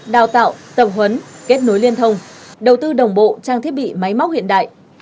đào tạo tập huấn kết nối liên thông đầu tư đồng bộ trang thiết bị máy móc hiện đại